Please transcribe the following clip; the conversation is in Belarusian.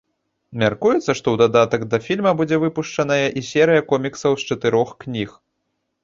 Мяркуецца, што ў дадатак да фільма будзе выпушчаная і серыя коміксаў з чатырох кніг.